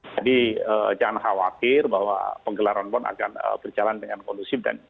jadi jangan khawatir bahwa penggelaran ponos akan berjalan dengan kondusif